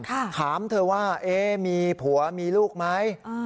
ค่ะถามเธอว่าเอ๊มีผัวมีลูกไหมอืม